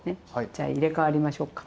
じゃあ入れ代わりましょうか。